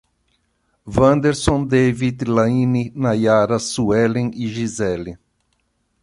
Vanderson, Devid, Laine, Naiara, Suelen e Giseli